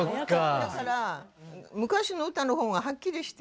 だから昔の歌の方がはっきりして。